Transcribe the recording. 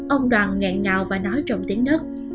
ông đoàn ngạc ngào và nói trong tiếng nước